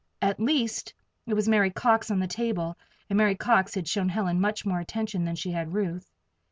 At least, it was Mary Cox on the table, and Mary Cox had shown Helen much more attention than she had Ruth.